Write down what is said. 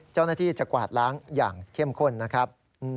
เจ้าหน้าที่จะกวาดล้างอย่างเข้มข้นนะครับ